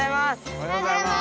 おはようございます。